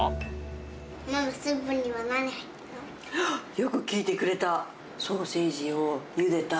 よく聞いてくれた。